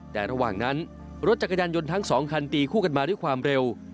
แต่ระหว่างนั้นรถจักรยานยนต์ทั้งสองคันตีคู่กันมาด้วยความเร็ว